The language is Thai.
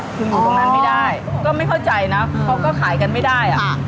คืออยู่ตรงนั้นไม่ได้ก็ไม่เข้าใจนะเขาก็ขายกันไม่ได้อ่ะ